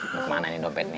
mau kemana ini dompet nih